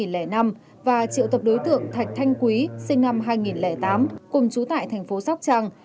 sinh năm hai nghìn năm và triệu tập đối tượng thạch thanh quý sinh năm hai nghìn tám cùng chú tại thành phố sóc trang